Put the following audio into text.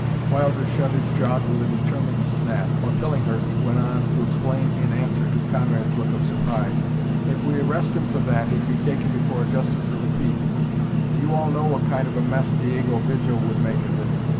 Wilder shut his jaws with a determined snap, while Tillinghurst went on to explain in answer to Conrad's look of surprise: "If we arrest him for that he'd be taken before a justice of the peace; and you all know what kind of a mess Diego Vigil would make of it.